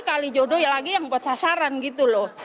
kali jodoh ya lagi yang buat sasaran gitu loh